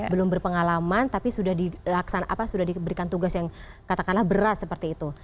belum berpengalaman tapi sudah diberikan tugas yang katakanlah berat seperti itu